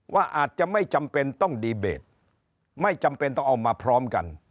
ว่าอาจจะไม่จำเป็นต้องดีเบตไม่จำเป็นต้องเอามาพร้อมกัน